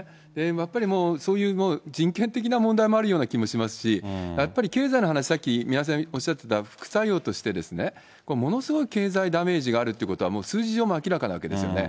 やっぱりそういう人権的な問題もあるような気もしますし、やっぱり、経済の話、さっき宮根さん、おっしゃっていました、副作用として、ものすごい経済ダメージがあるということは、もう数字上も明らかなわけですよね。